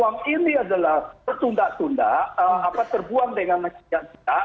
jangan sampai uang ini adalah tertunda tunda terbuang dengan masyarakat